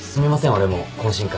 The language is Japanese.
俺も懇親会。